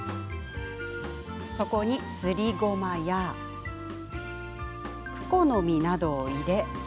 そこに、すりごまやクコの実などを入れ。